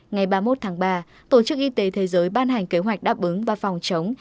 ngày ba mươi một tháng ba tổ chức y tế thế giới ban hành kế hoạch đáp ứng và phòng chống